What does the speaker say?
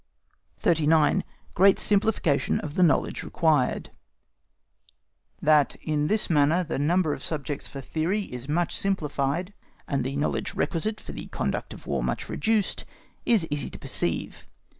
39. GREAT SIMPLIFICATION OF THE KNOWLEDGE REQUIRED. That in this manner the number of subjects for theory is much simplified, and the knowledge requisite for the conduct of War much reduced, is easy to perceive.